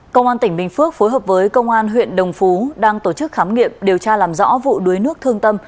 công an tỉnh bình phước phối hợp với công an huyện đồng phú đang tổ chức khám nghiệm điều tra làm rõ vụ đuối nước thương tâm